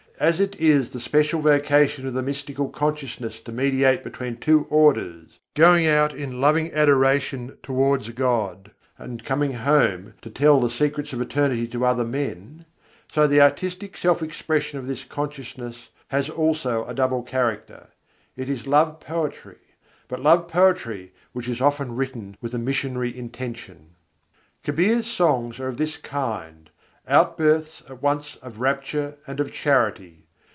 As it is the special vocation of the mystical consciousness to mediate between two orders, going out in loving adoration towards God and coming home to tell the secrets of Eternity to other men; so the artistic self expression of this consciousness has also a double character. It is love poetry, but love poetry which is often written with a missionary intention. Kabîr's songs are of this kind: out births at once of rapture and of charity.